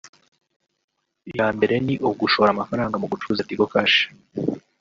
iyambere ni ugushora amafaranga mu gucuruza Tigo Cash